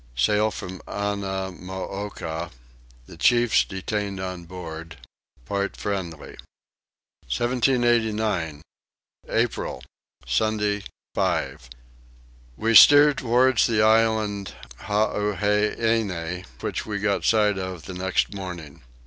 Sail from Annamooka. The Chiefs detained on board. Part friendly. 1789. April. Sunday 5. We steered towards the island Huaheine, which we got sight of the next morning.